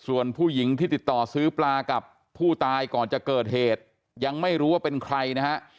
ส่วนผู้หญิงที่ติดต่อซื้อปลากับผู้ตายก่อนจะเกิดเหตุยังไม่รู้ว่าเป็นใครนะฮะ